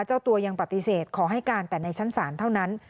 เจ้าตัวยังปฏิเสธขอให้การแต่ในชั้นศาลเท่านั้น